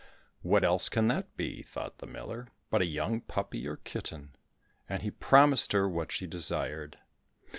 "What else can that be," thought the miller, "but a young puppy or kitten?" and he promised her what she desired.